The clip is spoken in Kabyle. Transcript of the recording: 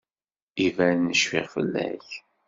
Iban cfiɣ fell-ak.